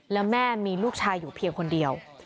แล้วแม่มีลูกชายอยู่เพียงคนเดียว